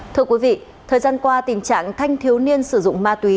thưa quý vị thời gian qua tình trạng thanh thiếu niên sử dụng ma túy